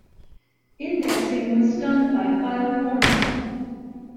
Indexing was done by file format.